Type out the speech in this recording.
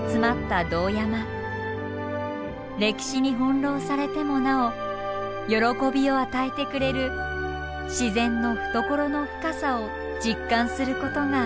歴史に翻弄されてもなお喜びを与えてくれる自然の懐の深さを実感することができました。